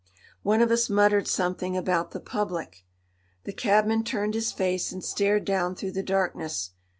One of us muttered something about the Public. The cabman turned his face and stared down through the darkness.